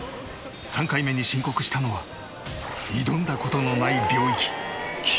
３回目に申告したのは挑んだ事のない領域９８キロ。